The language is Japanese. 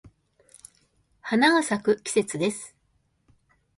花が咲く季節です。